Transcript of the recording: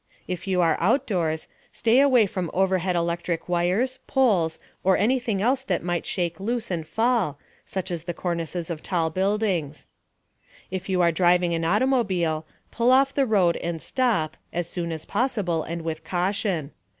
If you are outdoors, stay away from overhead electric wires, poles or anything else that might shake loose and fall (such as the cornices of tall buildings). If you are driving an automobile, pull off the road and stop (as soon as possible, and with caution).